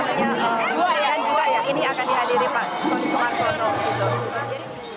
mereka menyalakan perang bersama kemudian ada beberapa kemuliaan juga yang ini akan dihadiri pak sumarsono